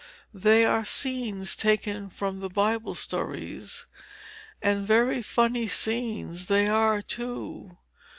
They are scenes taken from the Bible stories, and very funny scenes they are too.